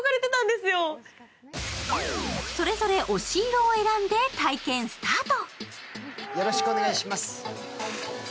それぞれ推し色を選んで体験スタート。